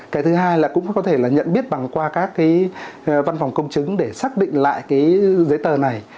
cái thứ hai là cũng có thể là nhận biết bằng qua các cái văn phòng công chứng để xác định lại cái giấy tờ này